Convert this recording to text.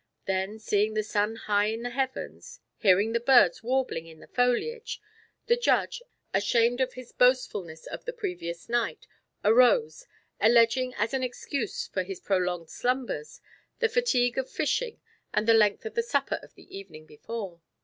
Then seeing the sun high in the heavens, hearing the birds warbling in the foliage, the Judge, ashamed of his boastfulness of the previous night, arose, alleging as an excuse for his prolonged slumbers, the fatigue of fishing and the length of the supper of the evening before.